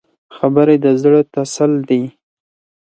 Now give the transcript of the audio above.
خبرې د زړه تسل دي